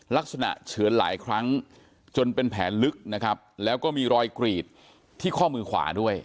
เฉือนหลายครั้งจนเป็นแผลลึกนะครับแล้วก็มีรอยกรีดที่ข้อมือขวาด้วย